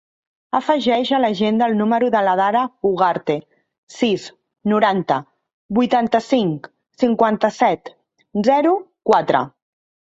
Afegeix a l'agenda el número de l'Adara Ugarte: sis, noranta, vuitanta-cinc, cinquanta-set, zero, quatre.